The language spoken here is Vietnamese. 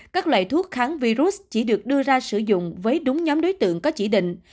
các loại thuốc kháng virus chỉ được đưa ra sử dụng với đúng nhóm đối tượng có chỉ định